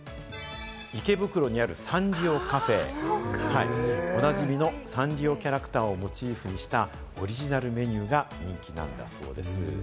池袋にあるサンリオカフェ、お馴染みのサンリオキャラクターをモチーフにしたオリジナルメニューが人気なんだそうです。